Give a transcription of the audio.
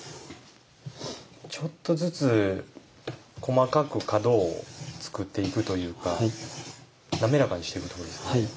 ちょっとずつ細かく角を作っていくというか滑らかにしていくということですね。